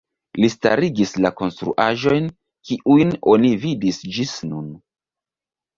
Li starigis la konstruaĵojn kiujn oni vidis ĝis nun.